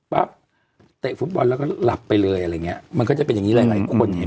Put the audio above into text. ปั๊บเตะฟุตบอลแล้วก็หลับไปเลยมันก็จะเป็นอย่างนี้หลายคน